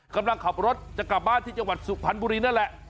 กำลังขับรถจะกลับบ้านที่จังหวัดสุพรรณบุรีนั่นแหละ